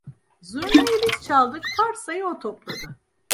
Zurnayı biz çaldık parsayı o topladı.